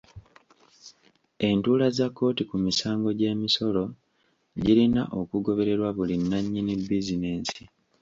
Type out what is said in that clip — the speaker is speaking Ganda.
Entuula za kkooti ku misango gy'emisolo girina okugobererwa buli nannyini bizinensi.